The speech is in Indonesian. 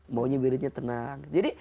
maunya wiridnya tenang